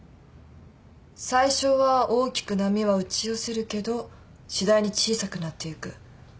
最初は大きく波は打ち寄せるけど次第に小さくなっていく。